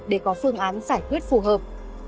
để có phương án giải quyết phù hợp